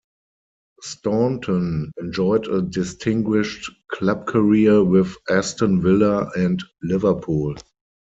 Staunton enjoyed a distinguished club career with Aston Villa and Liverpool.